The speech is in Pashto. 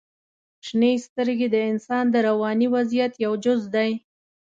• شنې سترګې د انسان د رواني وضعیت یو جز دی.